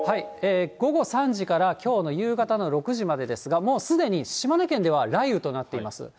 午後３時からきょうの夕方の６時までですが、もうすでに島根県では雷雨となっています。